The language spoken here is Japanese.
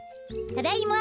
ただいま！